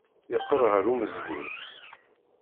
Yeqqel ɣer umezgun.